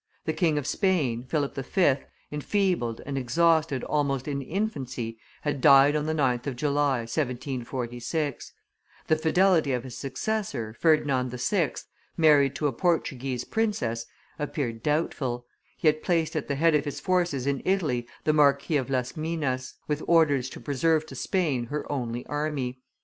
The King of Spain, Philip V., enfeebled and exhausted almost in infancy, had died on the 9th of July, 1746. The fidelity of his successor, Ferdinand VI., married to a Portuguese princess, appeared doubtful; he had placed at the head of his forces in Italy the Marquis of Las Minas, with orders to preserve to Spain her only army.